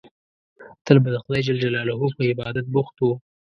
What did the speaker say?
تل به د خدای جل جلاله په عبادت بوخت وو.